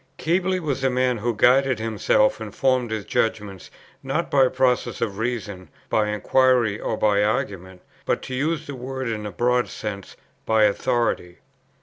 Keble was a man who guided himself and formed his judgments, not by processes of reason, by inquiry or by argument, but, to use the word in a broad sense, by authority.